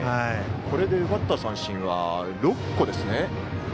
これで奪った三振は６個ですね。